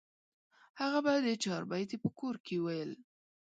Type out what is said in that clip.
هغه به د چاربیتې په کور کې ویل.